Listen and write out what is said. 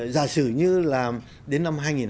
giả sử như là đến năm hai nghìn hai mươi